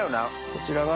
こちらが。